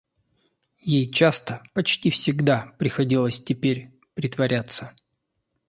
Ей часто, почти всегда, приходилось теперь притворяться.